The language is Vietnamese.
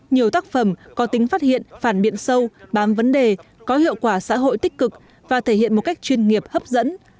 nhiều tác phẩm có tính phát hiện phản biện sâu bám vấn đề có hiệu quả xã hội tích cực và thể hiện một cách chuyên nghiệp hấp dẫn